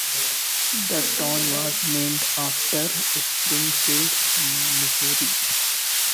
The town was named after Springfield, Missouri.